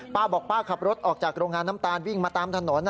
ป้าบอกป้าขับรถออกจากโรงงานน้ำตาลวิ่งมาตามถนน